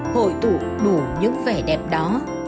hội tụ đủ những vẻ đẹp đó